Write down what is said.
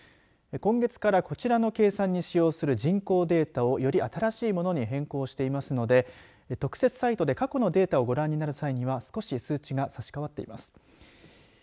今月からこちらの計算に使用する人口データを、より新しいものに変更していますので特設サイトで過去のデータをご覧になる際には少し数値が差し変わっています。